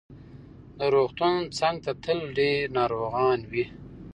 د روغتون څنګ ته تل ډېر ناروغان وي.